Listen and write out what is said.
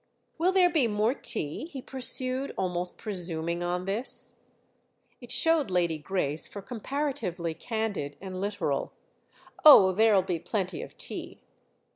"Will there be more tea?" he pursued, almost presuming on this. It showed Lady Grace for comparatively candid and literal. "Oh, there'll be plenty of tea."